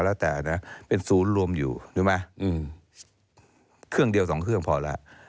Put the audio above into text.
แล้วแต่นะเป็นศูนย์รวมอยู่รู้ไหมเครื่องเดียวสองเครื่องพอแล้ว